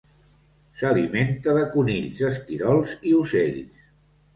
S'alimenta de conills, esquirols i ocells.